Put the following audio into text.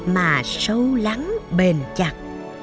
mà sâu lắng bền chặt